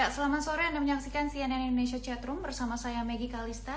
selamat sore anda menyaksikan cnn indonesia chatroom bersama saya maggie kalista